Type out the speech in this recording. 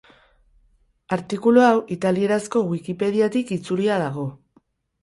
Artikulu hau italierazko wikipediatik itzulia dago.